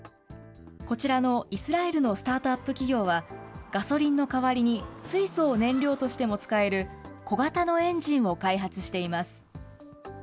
こちらのイスラエルのスタートアップ企業は、ガソリンの代わりに水素を燃料としても使える小型のエンジンを開発しています。